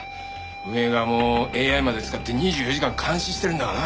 運営側もＡＩまで使って２４時間監視してるんだがな。